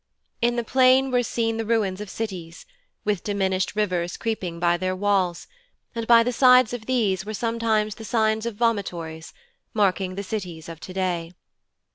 In the plain were seen the ruins of cities, with diminished rivers creeping by their walls, and by the sides of these were sometimes the signs of vomitories, marking the cities of to day.